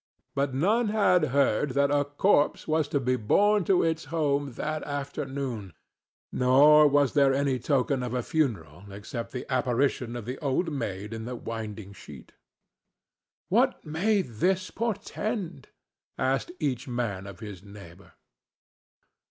But none had heard that a corpse was to be borne to its home that afternoon, nor was there any token of a funeral except the apparition of the Old Maid in the Winding Sheet. "What may this portend?" asked each man of his neighbor.